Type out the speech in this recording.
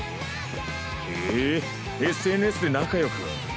へえＳＮＳで仲よく。